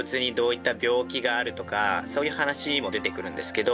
そういう話も出てくるんですけど。